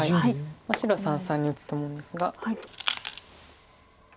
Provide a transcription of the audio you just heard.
白は三々に打つと思うんですが。